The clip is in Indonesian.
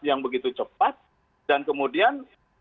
yang begitu cepat dan kemudian